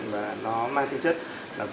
và nó mang tính chất